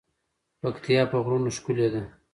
پکتيا په غرونو ښکلی ده.